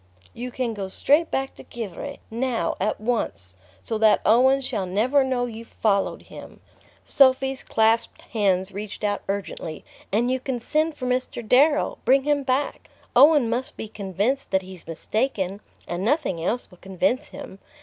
"You can go straight back to Givre now, at once! So that Owen shall never know you've followed him." Sophy's clasped hands reached out urgently. "And you can send for Mr. Darrow bring him back. Owen must be convinced that he's mistaken, and nothing else will convince him.